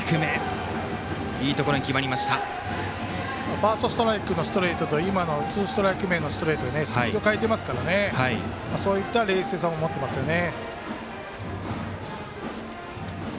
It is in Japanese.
ファーストストライクのストレートと今のツーストライク目のストレートとスピードを変えてますからねそういった冷静さも持ってますね。